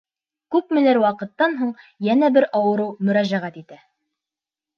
Күпмелер ваҡыттан һуң йәнә бер ауырыу мөрәжәғәт итә.